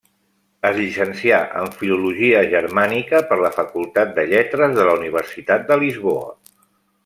Es llicencià en filologia germànica per la Facultat de Lletres de la Universitat de Lisboa.